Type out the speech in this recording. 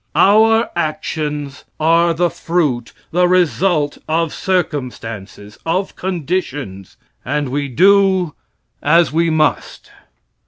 Our actions are the fruit, the result, of circumstances of conditions and we do as we must.